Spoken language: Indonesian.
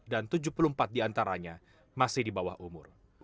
dan tujuh puluh empat di antaranya masih di bawah umur